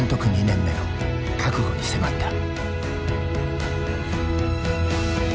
２年目の覚悟に迫った。